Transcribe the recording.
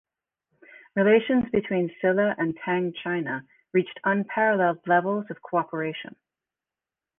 Relations between Silla and Tang China reached unparalleled levels of cooperation.